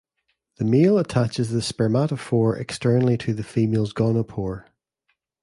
The male attaches the spermatophore externally to the female's gonopore.